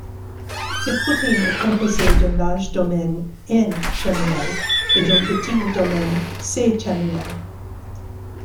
Cette protéine est composée d'un large domaine N-terminal et d'un petit domaine C-terminal.